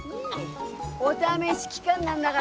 お試し期間なんだがらね！